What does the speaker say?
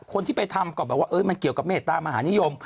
คนที่ไปทำก็แบบว่ามันเกี่ยวกับเมตตามหานิยม